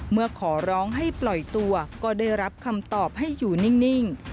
เมื่อขอร้องให้ปล่อยตัวก็ได้รับคำตอบให้อยู่นิ่ง